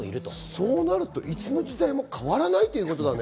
そうなると、いつの時代も変わらないってことだね。